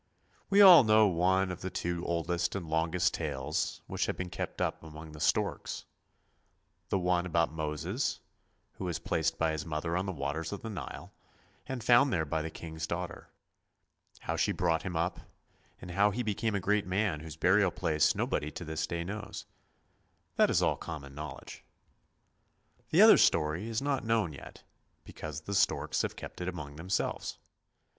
We all know one of the two oldest and longest tales which have been kept up among the storks; the one about Moses, who was placed by his mother on the waters of the Nile, and found there by the king's daughter. How she brought him up, and how he became a great man whose burial place nobody to this day knows. This is all common knowledge. The other story is not known yet, because the storks have kept it among themselves.